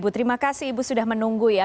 bu terima kasih ibu sudah menunggu ya